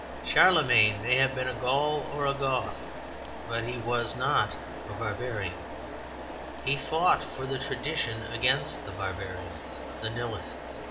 Charlemagne may have been a Gaul or a Goth, but he was not a barbarian; he fought for the tradition against the barbarians, the nihilists.